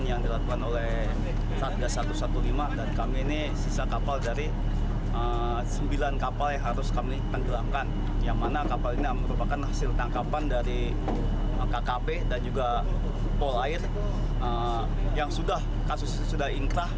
yaitu penenggelaman yang dilakukan oleh